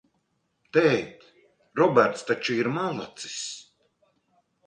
Tēt, Roberts taču ir malacis?